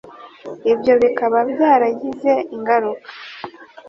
ibyo bikaba byaragize ingaruka